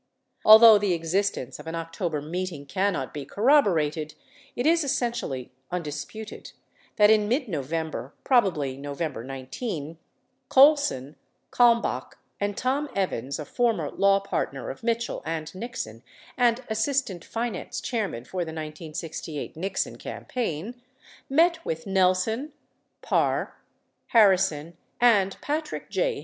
39 Although the existence of an October meeting cannot be corroborated, it is essentially undisputed that in mid November (probably November 19) Colson, Kalmbach, and Tom Evans (a former law partner of Mitchell and Nixon and assistant finance chairman for the 1968 Nixon campaign) met with Nelson, Parr, Harrison, and Patrick J.